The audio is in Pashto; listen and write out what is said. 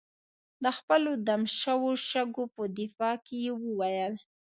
د خپلو دم شوو شګو په دفاع کې یې وویل.